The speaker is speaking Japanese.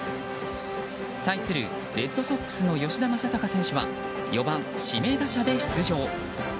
対するレッドソックスの吉田正尚選手は４番指名打者で出場。